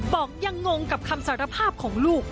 บอกยังงงกับคำสารภาพของลูก